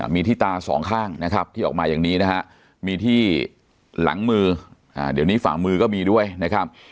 มีที่ตาสองข้างนะครับที่ออกมาอย่างนี้นะฮะมีที่หลังมือเดี๋ยวนี้ฝ่ามือก็มีด้วยนะครับ